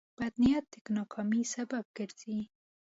بد نیت د ناکامۍ سبب ګرځي.